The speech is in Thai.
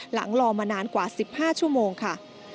หลังรอมานานกว่า๑๕ชั่วโมงค่ะ